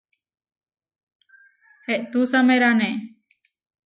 Eʼtúsamerane.